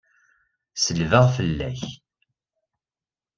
Selbeɣ fell-ak.